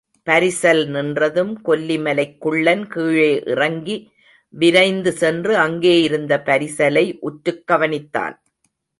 பரிசல் நின்றதும் கொல்லிமலைக் குள்ளன் கீழே இறங்கி விரைந்து சென்று, அங்கே இருந்த பரிசலை உற்றுக் கவனித்தான்.